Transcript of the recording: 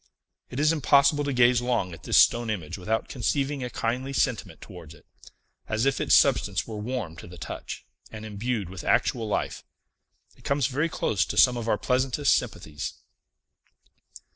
It is impossible to gaze long at this stone image without conceiving a kindly sentiment towards it, as if its substance were warm to the touch, and imbued with actual life. It comes very close to some of our pleasantest sympathies.